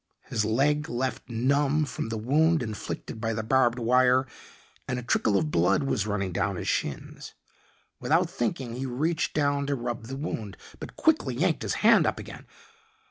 His leg left numb from the wound inflicted by the barbed wire, and a trickle of blood was running down his shins. Without thinking he reached down to rub the wound, but quickly yanked his hand up again.